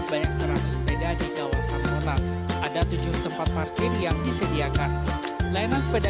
sebanyak seratus sepeda di kawasan monas ada tujuh tempat parkir yang disediakan layanan sepeda